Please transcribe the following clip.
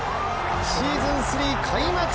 シーズンスリー開幕戦